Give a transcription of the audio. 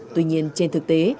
tuy nhiên trên thực tế